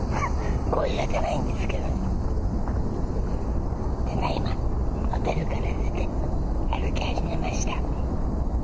声が出ないんですけど、ただいまホテルから出て、歩き始めました。